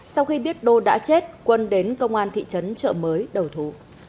sau khi biết đô đã chết quân đến công an thị trấn trợ mới đầu thú